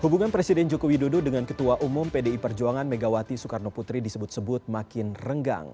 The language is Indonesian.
hubungan presiden joko widodo dengan ketua umum pdi perjuangan megawati soekarno putri disebut sebut makin renggang